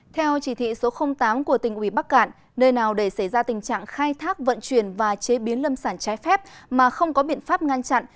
theo chỉ thị số tám của tỉnh ủy bắc cạn nơi nào để xảy ra tình trạng khai thác vận chuyển và chế biến lâm sản trái phép mà không có biện pháp ngăn chặn